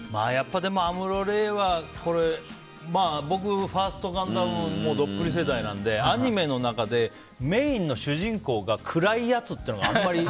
アムロ・レイは、僕ファースト「ガンダム」どっぷり世代なのでアニメの中でメインの主人公が暗いやつっていうのがあんまり。